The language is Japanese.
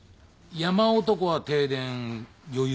山男は停電余裕ですか？